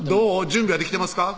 準備はできてますか？